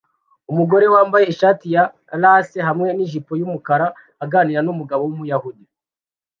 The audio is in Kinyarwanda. Umugore wambaye ishati ya lace hamwe nijipo yumukara aganira numugabo wumuyahudi